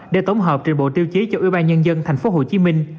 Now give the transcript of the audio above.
để tổng hợp trên bộ tiêu chí cho ubnd tp hcm